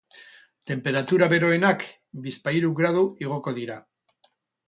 Tenperatura beroenak bizpahiru gradu igoko dira.